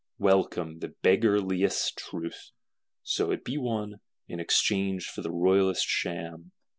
Welcome, the beggarliest truth, so it be one, in exchange for the royallest sham!